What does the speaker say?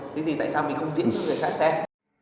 thì mình sẽ tiếp tục diễn cho người khác xem